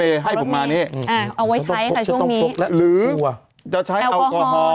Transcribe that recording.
เอาไว้ใช้ในช่วงนี้หรือจะใช้แอลกอฮอล์